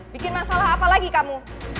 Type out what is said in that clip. bikin masalah apa lagi kamu